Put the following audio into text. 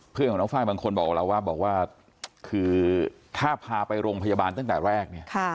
เพื่อนของน้องฟ้ายบางคนบอกกับเราว่าถ้าพาไปโรงพยาบาลตั้งแต่แรก